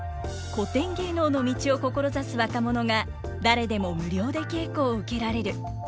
古典芸能の道を志す若者が誰でも無料で稽古を受けられる。